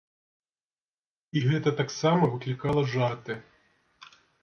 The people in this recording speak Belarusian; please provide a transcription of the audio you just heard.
І гэта таксама выклікала жарты.